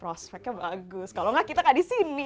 prospeknya bagus kalau nggak kita nggak di sini